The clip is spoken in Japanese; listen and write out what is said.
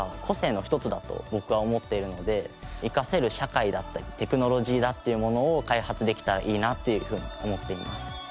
個性の一つだと僕は思っているので生かせる社会だったりテクノロジーだっていうものを開発できたらいいなっていうふうに思っています。